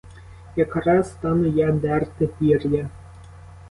Якраз стану я дерти пір'я!